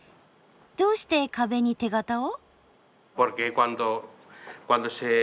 どうして壁に手形を？